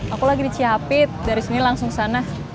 aku lagi di cihapit dari sini langsung sana